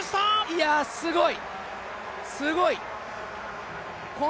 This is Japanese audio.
いや、すごい！